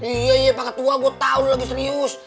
iya pak ketua gue tau lo lagi serius